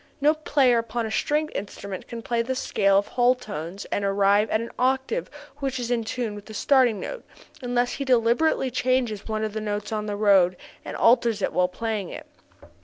No player upon a stringed instrument can play the scale of whole tones and arrive at an octave which is in tune with the starting note, unless he deliberately changes one of the notes on the road and alters it while playing it.